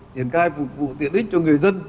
triển khai phục vụ tiện ích cho người dân